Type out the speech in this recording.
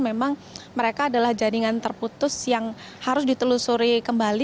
memang mereka adalah jaringan terputus yang harus ditelusuri kembali